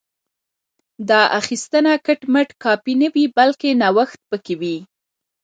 دا اخیستنه کټ مټ کاپي نه وي بلکې نوښت پکې وي